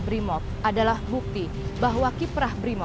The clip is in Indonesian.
berisi banget sih bu